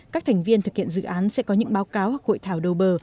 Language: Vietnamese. các thành viên thực hiện dự án sẽ có những báo cáo hoặc hội thảo đầu bờ